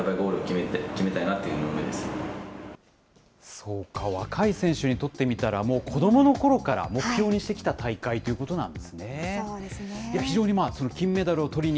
そうか、若い選手にとってみたら、もう子どものころから目標にしてきた大会ということなんですね。